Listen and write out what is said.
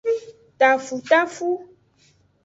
Tafutafu.